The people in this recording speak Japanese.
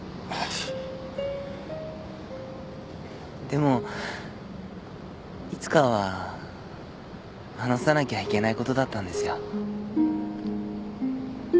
でもいつかは話さなきゃいけないことだったんですよ。